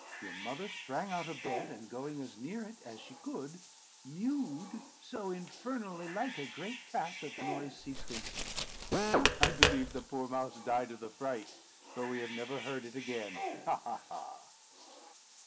Your mother sprang out of bed, and going as near it as she could, mewed so infernally like a great cat, that the noise ceased instantly. I believe the poor mouse died of the fright, for we have never heard it again. Ha! ha! ha!"